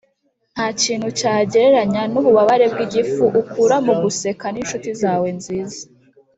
ntakintu cyagereranya nububabare bwigifu ukura muguseka ninshuti zawe nziza.